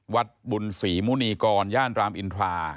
วัดบุญศรีมุนีกรย่านรามอินทรา